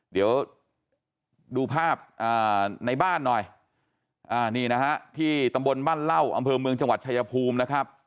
เดี๋ยวดูภาพในบ้านหน่อยนี่นะฮะที่ตำบลบ้านเหล้าอำเภอเมืองจังหวัดชายภูมินะครับ